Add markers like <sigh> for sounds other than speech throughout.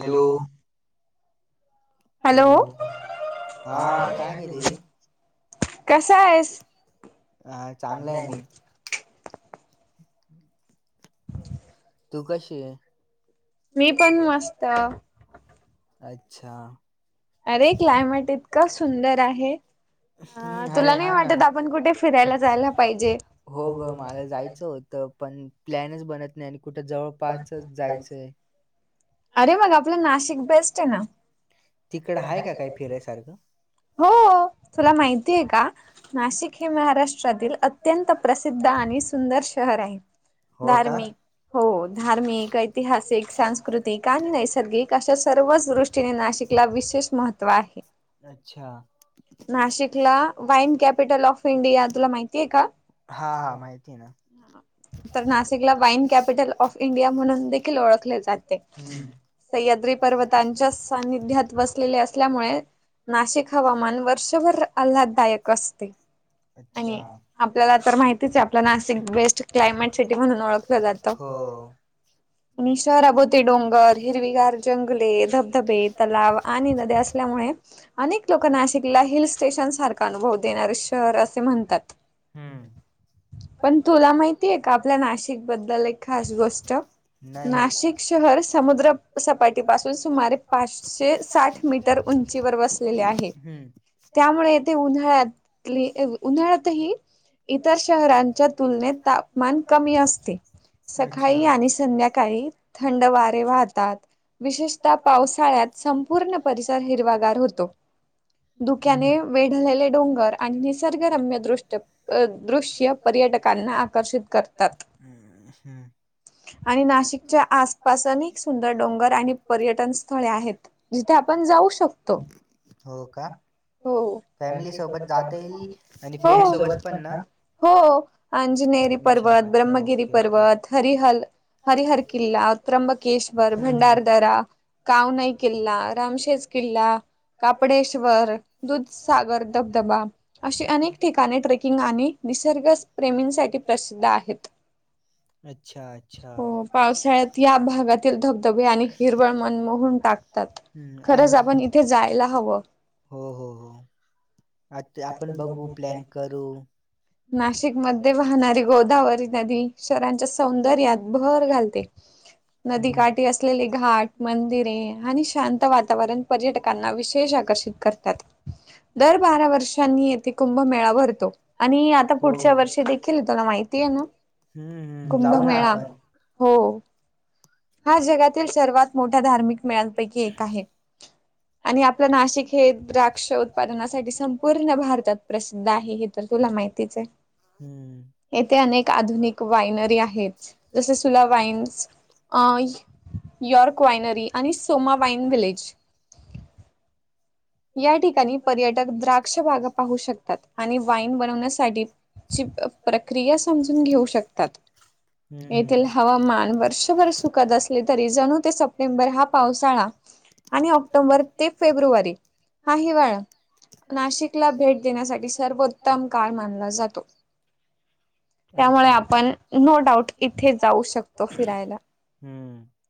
Hello! Hello! कसा आहेस? तू कशी आहे? अच्छा! अरे क्लायमेट इतका सुंदर आहे. हम्म अरे हा ना हो गं मला जायचं होत. तर पण प्लॅनच बनत नाही आणि कुठं जवळपासच जायचंय. अरे मग आपलं नाशिक बेस्ट आहे ना! तिकडं हाय का काय फिरायसारखं? हो तुला माहितेय का नाशिक हे महाराष्ट्रातील अ अत्यंत प्रसिद्ध आणि सुंदर शहर आहे. हो का? हो धार्मिक, ऐतिहासिक, सांस्कृतिक आणि नैसर्गिक अशा सर्वच दृष्टी ते नाशिकला विशेष महत्व आहे. अच्छा! नाशिकला वाईन कॅपिटल ऑफ इंडिया तुला माहिती आहे का? हा हा माहिती आहे ना. तर नाशिकला वाईन कॅपिटल ऑफ इंडिया म्हणून देखील ओळखले जाते, सह्याद्री पर्वतांच्या सानिध्यात वसलेले असल्यामुळे, नाशिक हवामान वर्षभर आल्हाददायक असते. अच्छा! हो! आणि शहराभोती डोंगर, हिरवीगार जंगले, धबधबे, तलाव आणि नदी असल्यामुळे अनेक लोकं नाशिक ला हिल स्टेशन सारखा अनुभव देणारे शहर असे म्हणतात. पण, तुला माहितेय का आपल्या नाशिक बद्दल एक खास गोष्ट? नाशिक शहर समुद्र सपाटी पासून सुमारे पाचशे साठ मीटर उंचीवर वसलेले आहे. त्यामुळे इथे उन्हाळ्यातले उन्हाळ्यातही इतर शहरांच्या तुलनेत ताप मान कमी असते, सकाळी आणि संध्याकाळी थंड वारे वाहतात. विशेषतः पावसाळ्यात संपूर्ण परिसर हिरवागार होतो. धुक्याने वेढलेले डोंगर आणि निसर्ग रम्य दृश्य अं दृष्य पर्यटकांना आकर्षित करतात. हम्म! आणि, नाशिकच्या आसपास अनेक सुंदर डोंगर आणि पर्यटन स्थळे आहेत. जिथे आपण जाऊ शकतो. हो का? हो हो, फॅमिली सोबत का ते ही हो मैत्रिणी सोबत पण ना? हो! अंजनेरी पर्वत, ब्रह्मगिरी पर्वत हरिहल, हरिहर किल्ला, त्रंबकेश्वर, भंडारदरा कावनाई किल्ला, रामशेज किल्ला, कापडेश्वर दूध सागर धबधबा अशी अनेक ठिकाणे ट्रेकिंग आणि निसर्ग प्रेमींसाठी प्रसिद्ध आहेत. हो पावसाळ्यात ही या भागातील धबधबे आणि हिरवळ मनमोहून टाकतात. खरंच आपण इथे जायला हवं. हो, हो, हो, आ, ते आपण बघू, प्लॅन करू नाशिकमध्ये वाहणारी गोदावरी नदी शहरांच्या सौंदर्यात भर घालते. नदीकाठी असलेले घाट, मंदिरे आणि शांत वातावरण, पर्यटकांना विशेष आकर्षित करतात. दर बारा वर्ष नी येथे कुंभमेळा भरतो आणि आता पुढच्या वर्षी देखील, तुला माहिती आहे ना? हम्म्म, ह्म्म्म, जाऊ मेळा हो हा जगातील सर्वात मोठ्या धार्मिक मेळ्यांपैकी एक आहे. आणि आपलं नाशिक हे द्राक्ष उत्पादनासाठी संपूर्ण भारतात. प्रसिद्ध आहे हे तर तुला माहितीच आहे येथे अनेक आधुनिक वायनरी जसे सुला वाईन् यॉर्क वयनरी आणि सोमा वईन विलेज. या ठिकाणी पर्यटक द्राक्ष भागा पाहू शकतात आणि वाईन बनवण्यासाठी ची प्रक्रिया समजून घेऊ शकतात. येथील हवामान वर्षभर सुखद असले तरी जणू ते सप्टेंबर हा पावसाळा आणि ऑक्टोंबर ते फेब्रुवारी नाही बाळा नाशिकला भेट देण्यासाठी सर्वोत्तम काळ मानला जातो. त्यामुळे आपण नो डाऊट इथे जाऊ शकतो फिरायला.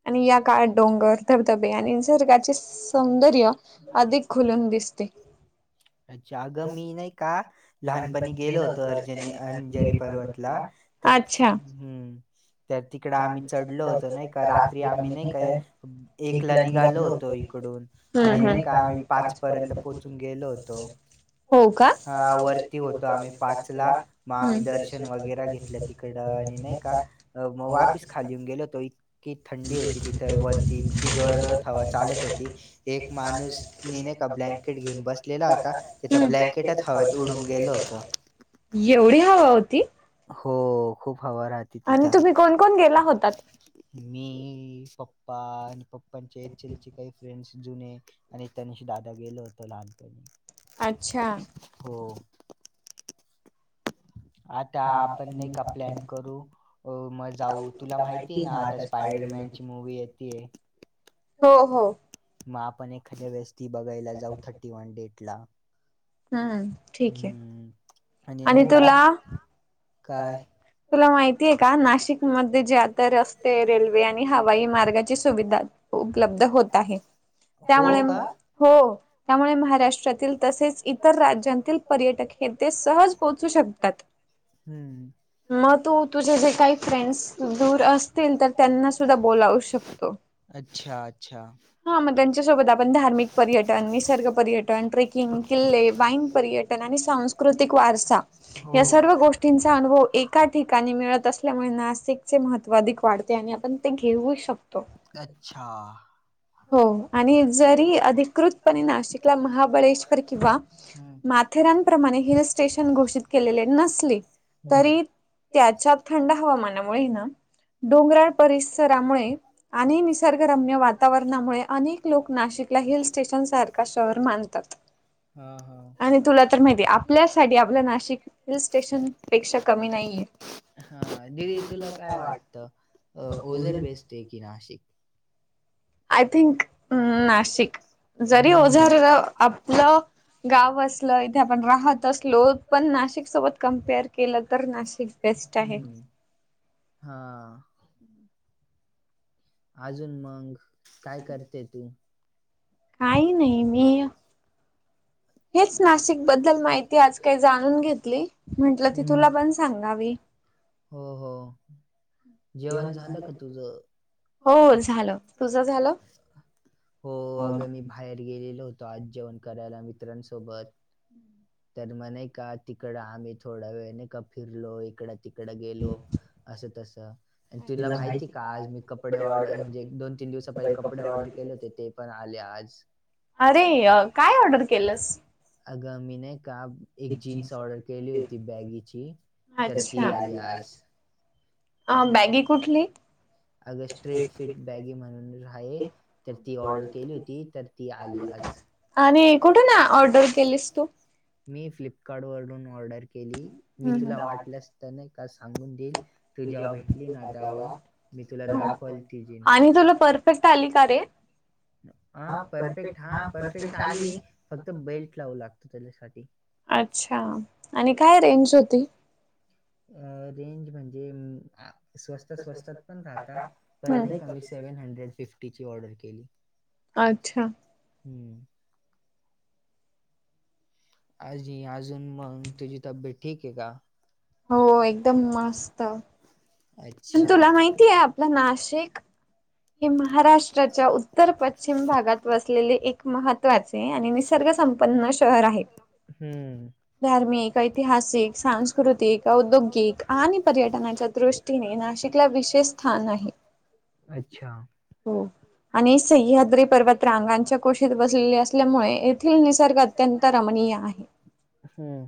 आणि या काळात डोंगर धबधबे आणि निसर्गाचे सौंदर्य अधिक खुलून दिसते अच्छा, अगं मी नाही का, लहानपणी गेलो होतो, अर्जनी अंजरी पर्वतला तरच हम्म तर तिकड आम्ही चढलो होतो नाही का रात्री आम्ही नाही काय एक ला निघालो होतो इकडून ह का पाच पर्यंत पोहोचून गेलो होतो. हा वरती होतो आम्ही पाचला मग आम्ही दर्शन वगैरे घेतलं की. तिकड आणि नाही का मग वापीस खाली येऊन गेलो होतो इतकी थंडी होती तिथे. वरती इतकी जोर जोरात हवा चालत होती एक माणूस. ए ब्लँकेट घेऊन बसलेला होता त्याचा ब्लँकेटच हवेत उडून गेल होत. एवढी हवा होती. हो खूप हवा रहाती. आणि तुम्ही कोण कोण गेला होतात? मी पप्पा आणि पप्पच्याचेलचे काही फ्रेंड्स जुने आणि त्यांनशी दादा गेल होत लहानपणी हो आठ आ आपण नाहीका प्लॅन करू मग जाऊ तुला माहिती आहे ना आता स्पायडरमॅनची मुूवी येते. <unintelligible> हो हो. मग आपण एखाद्या व्यस्ती बघायला जाऊ थर्टी वन डेट ला हा. हम्म. आणि तुला. काय? तुला माहितीय का नाशिकमध्ये जे आता रस्ते रेल्वे आणि हवाई मार्गाची सुविधा. उपलब्ध होत आहे. त्यामुळे हो त्यामुळे महाराष्ट्रातील तसेच इतर राज्यां पर्यटक हे ते सहज पोहोचू शकतात. हम्म मग तू तुझे जे काही फ्रेंड्स दूर असतील तर त्यांना सुद्धा बोलावू शकतो. अच्छा अच्छा हा मग त्यांच्यासोबत आपण धार्मिक पर्यटन निसर्ग पर्यटन ट्रेकिंग किल्ले वाईन पर्यटन आणि सांस्कृतिक वारसा या सर्व गोष्टींचा अनुभव एका ठिकाणी मिळत असल्यामुळे नासिक चे महत्त्व अधिक वाढते आणि आपण ते घेऊ शकतो अच्छा हो आणि जरी अधिकृतपणे नाशिकला महाबळेश्वर किंवा म अरप्रमाणे हिल स्टेशन घोषित केलेले नसले तरी त्याच्यात थंड हवामानामुळे ना डोंगराळ परिसरामुळे आणि निसर्गरम्य वा वातावरणामुळे अनेक लोक नाशिकला हिल स्टेशन सारखा शहर मानतात हा हा म तुला तर माहिती आपल्या सा आपलं नाशिक हिल स्टेशन पेक्षा कमी नाहीये हा दिदी तुला काय वाटतं ओझर बेसते की नाशिक आय थिंक् नाशिक जरी ओझार आपलं गाव असलं इथे आपण राहत असलो पण नाशिक सोबत कमपेअर केलं तर नाशिक हम्म <unintelligible> हा अजून मंग काय करते तू काही नाही मी हेच नाशिक बद्दल माहिती आज काही जाणून घेतली म्हटलं ती तुला पण सांगावी ह हो हो जेवण झालं का तुझ हो झालं तुझं झालं हो अगं मी बाहेर गेलेलो होतो आज जेवण करायला मित्रांसोबत तर म्हणे का का तिकड आम्ही थोडा वेळ नाही का फिरलो इकड तिकडं गेलो असं तसं आणि तुला माहितीय का आज मी क कपडे ऑर्डर म्हणजे दोन तीन दिवसाहिले कपडे ऑर्डर केले होते ते पण आले आज अरे काय ऑर्डर केलंस आगामीने का एक जीन्स ऑर्डर केली होती बॅगीची तर ती आली आज अ बॅगी कुठली अगं स्ट्रेट फिट बॅगे म्हणून रा तर ती ऑर्डर केली होती तर ती आली आज आणि कुठे ना ऑर्डर केलीस तू मी फ्लिपकार्ट वरून ऑर्डर केली मी तुला वाटलंस तर नाही का सांगून देईल तू जेव्हा भेटली ना तेव्हा मी तुला दाखवाल ती जीन्स हा परफेक्ट हा परफेक्ट आली फक्त बेल्ट लावू लागतो त्याच्यासाठी अच्छा आणि काय रेंज होती रेंज म्हणजे स्वस्त स्वस्तात पण राहता पण नाही कमी सेवेन हंड्रेड फिफ्टी ची ऑर्डर केली अच्छा हम्म आजी अजून मग तुझी तब्येत ठीक आहे का हो एकदम मस्त पण तुला माहिती आहे आपलं नाशिक हे महाराष्ट्राच्या उत्तर पश्चिम भागात वसलेले एक महत्त्वाचे आणि निसर्ग संंपन्न शहर आहे हम्म धार्मिक ऐतिहासिक सांस्कृतिक औद्योगिक आणि पर्यटनाच्या दृष्टी नाशिकला विशेष स्थान आहे. अच्छा. हो. आणि सह्याद्री पर्वत रांगांच्या कोशीत बसलेले असल्यामुळे येथील निसर्गात. हम्म.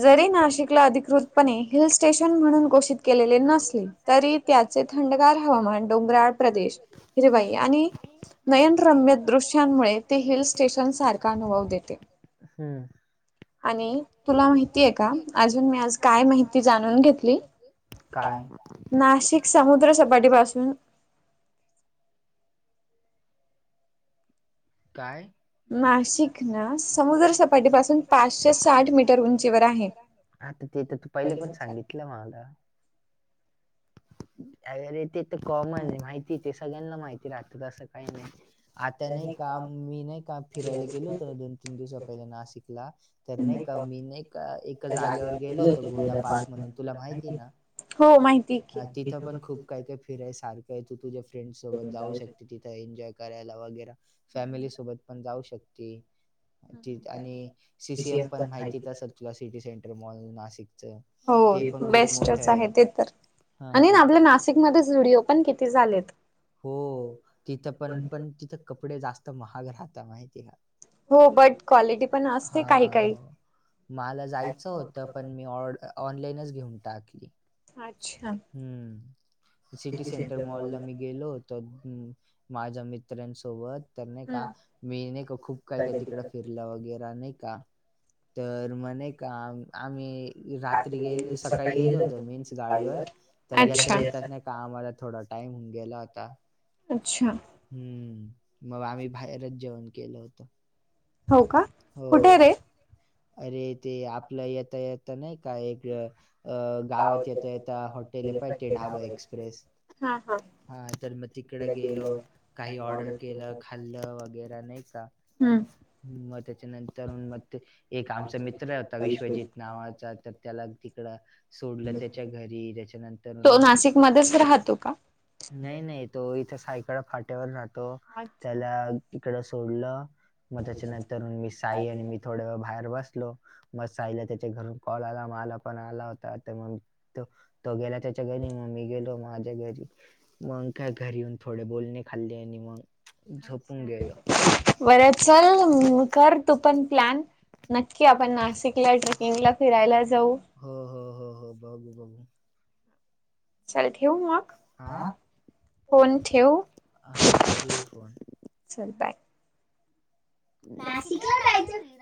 जरी नाशिकला अधिकृतपणे हिल स्टेशन म्हणून घोषित केलेले नसले. तरी त्याचे थंडगार. य. मुळे ते हिल स्टेशन सारखा अनुभव देते. हम्म. काय सांग जा घ. <inaudible> काय. काय. नाशिक ना समुद्रसपाटीपासून पाचशे साठ मीटर उंचीवर आहे. आता ते तर तू पहिले पण सांगितलं मला. अरे ते तर कॉमन माहिती ते सगळ्यांना माहिती राहत असं काही नाही. आता नाही का मी नाही का फिरायला गेलो होत ना दोन तीन दिवस पहिल्या नाशिकला. तर नाही का मी नाही का एका जागेवर गेलो होत गोदा पार्क म्हणून तुला माहिती आहे ना. हो माहिती ह तिथं पण खूप काय काय फिराय सारखं आहे तू तुझ्या फ्रेंडसोबत जाऊ शकते तिथ. एन्जॉय करायला वगैरे फॅमिली सोबत पण जाऊ शकते. त आणि सी सीएम पण माहितीत असेल तुला सिटी सेंटर मॉल नाशिक च. हो बेस्टच आहे ते तर. आणि आपल्या नाशिकमध्येध्ये झुडिओ पण किती झालेत. हो तिथं पण पण तिथं कपडे जास्त महाग राहत माहिती का. हा हो. मला जायचं होतं पण मी ऑड ऑनलाईनच घेऊन टाकली. हम्म सिटी सेंटर मॉल ला मी गेलोत. तो माझ्या मित्र्यांसोबत. तर नाही का मी नाही का खूप काय का तिकड फिरलं वगैर नाही का. तर म्हणे का आम्ही रात्री गेलो सकाळी गेलो होतो मीन्स. गाडीवर तर याता येतात नाही. कामला थोडा टाईम गेला होता. हम्म मग आम्ही बाहेरच जेवण केलं होतं. हो का कुठे रे. अरे ते आपलं येता येता नाही का एक. अ गावात येत यता हॉटेल आहे ते पाह ढाबा एक्सप्रेस. हा तर मग तिकडं गेलो काही ऑर्डर केलं खाल्लं वगैरे नाही का. मग त्याच्या नंतर म ते. एक आमचा मित्र होता विश्वजित नावाचा तर त्याला तिकडं. सोडलं त्याच्या घरी त्याच्यानंतर. नाही नाही तो इथं सायकाळ फाट्यावर राहतो. त्याला इकड सोडलं मग त्याच्यानंतर मी साई आणि मी थोड्या व बाहेर. बसलो म साईला त्याच्या घरून कॉल आला म आला पण आला होता तर मग. त तो गेला त्याच्या घरी मम्मी गेलो माझ्या घरी मग काय घरी येऊन. थोडे बोलणे खाल्ली आणि मग. अच्छा बर्या चल ना मग. कर तू पण प्लॅन नक्की आपण नाशिकला ट्रेकिंगला फिरायला जाऊ. हा हा हा हा बाघू बाघू. चाले ठेव मग. हा ठेव फोन चल बाय नाशिकला जायचं फि